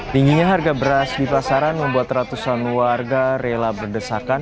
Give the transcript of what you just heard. tingginya harga beras di pasaran membuat ratusan warga rela berdesakan